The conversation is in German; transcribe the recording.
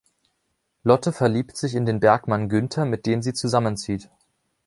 Lotte verliebt sich in den Bergmann Günter, mit dem sie zusammenzieht.